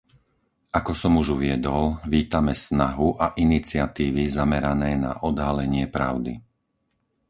Ako som už uviedol, vítame snahu a iniciatívy zamerané na odhalenie pravdy.